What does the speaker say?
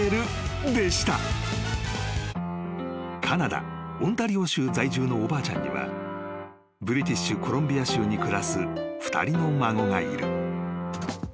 ［カナダオンタリオ州在住のおばあちゃんにはブリティッシュ・コロンビア州に暮らす２人の孫がいる］